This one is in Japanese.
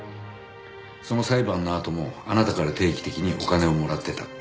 その裁判のあともあなたから定期的にお金をもらってたって。